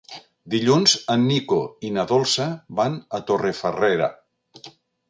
Dilluns en Nico i na Dolça van a Torrefarrera.